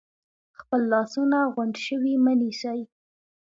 خپل لاسونه غونډ شوي مه نیسئ،